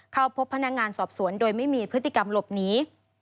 เข้าพบพนักงานสอบสวนโดยไม่มีพฤติกรรมหลบหนี